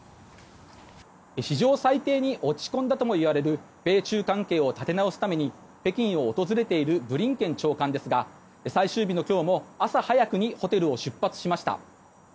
史上最低に落ち込んだともいわれる米中関係を立て直すために北京を訪れているブリンケン長官ですが最終日の今日も朝早くにホテルを出発しました。